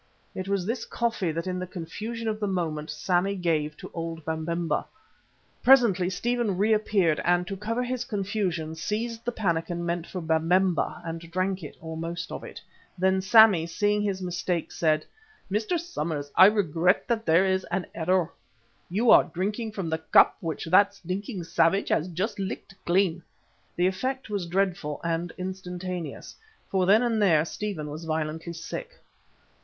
It was this coffee that in the confusion of the moment Sammy gave to old Babemba. Presently Stephen reappeared, and to cover his confusion seized the pannikin meant for Babemba and drank it, or most of it. Then Sammy, seeing his mistake, said: "Mr. Somers, I regret that there is an error. You are drinking from the cup which that stinking savage has just licked clean." The effect was dreadful and instantaneous, for then and there Stephen was violently sick.